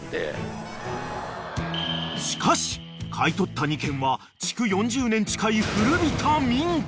［しかし買い取った２軒は築４０年近い古びた民家］